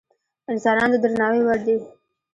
انسانان د درناوي وړ دي.